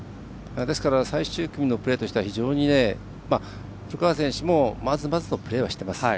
最終組のプレーとしては非常に古川選手も、まずまずのプレーはしています。